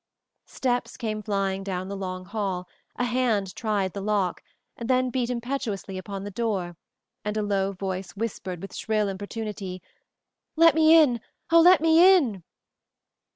Steps came flying down the long hall, a hand tried the lock, then beat impetuously upon the door, and a low voice whispered with shrill importunity, "Let me in! Oh, let me in!"